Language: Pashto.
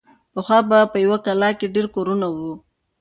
پخوا به په یوه کلا کې ډېر کورونه وو.